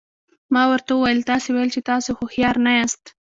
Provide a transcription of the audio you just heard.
ما ورته وویل تاسي ویل چې تاسي هوښیار نه یاست.